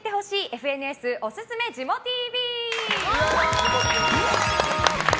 ＦＮＳおすすめジモＴＶ！